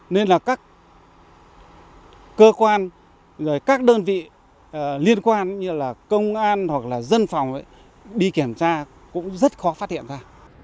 nên là các cơ quan các đơn vị liên quan như là công an hoặc là dân phòng đi kiểm tra cũng rất khó phát hiện ra